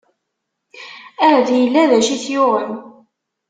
Ahat illa d acu i t-yuɣen.